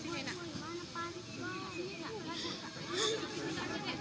adik salam dulu sini